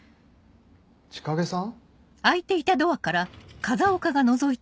・千景さん？